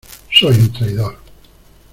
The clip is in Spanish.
soy un traidor.